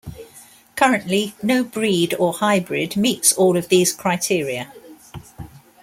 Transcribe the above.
Currently, no breed or hybrid meets all of these criteria.